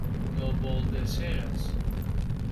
No vol dreceres.